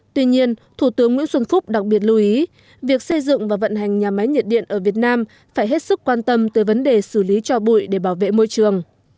tuy nhiên thủ tướng nguyễn xuân phúc đặc biệt lưu ý việc xây dựng và vận hành nhà máy nhiệt điện ở việt nam phải hết sức quan tâm tới vấn đề xử lý cho bụi để bảo vệ môi trường